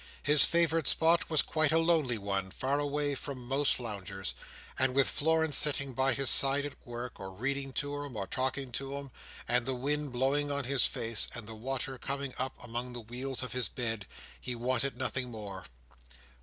His favourite spot was quite a lonely one, far away from most loungers; and with Florence sitting by his side at work, or reading to him, or talking to him, and the wind blowing on his face, and the water coming up among the wheels of his bed, he wanted nothing more.